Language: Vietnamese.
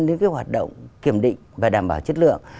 đến cái hoạt động kiểm định và đảm bảo chất lượng